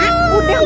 di bawah kabur